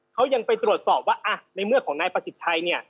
เขายังไปตรวจสอบว่าในเมื่อของนายประสิทธิ์ชัยเนี่ย